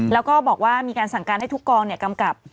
แล้วก็บอกว่ามีการสั่งการให้ทุกกองกำกับ